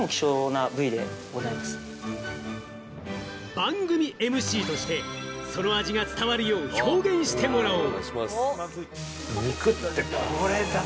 番組ＭＣとしてその味が伝わるよう、表現してもらおう。